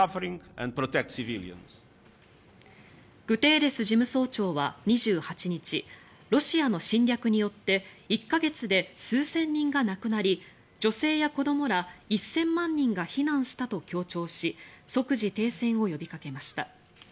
グテーレス事務総長は２８日ロシアの侵略によって１か月で数千人が亡くなり女性や子どもら１０００万人が避難したと強調し即時停戦を呼びかけました。